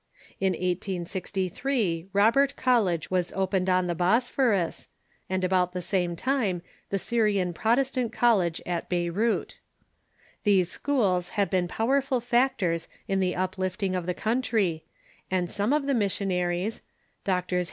In 1 863 Robert College was opened on the Bosphorus, and about the same time the Syrian Protestant College at Beirut. These schools have been powerful factors in the uplifting of the country, and some of the missionaries — Drs.